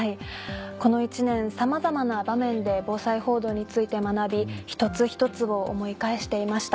この１年さまざまな場面で防災報道について学び一つ一つを思い返していました。